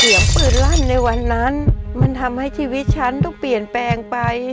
เสียงปืนลั่นในวันนั้นมันทำให้ชีวิตฉันต้องเปลี่ยนแปลงไป